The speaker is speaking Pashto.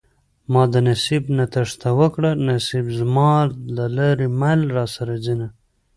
ما د نصيب نه تېښته وکړه نصيب زما د لارې مل راسره ځينه